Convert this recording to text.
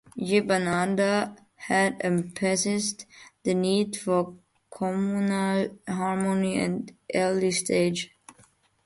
Jibanananda had emphasized the need for communal harmony at an early stage.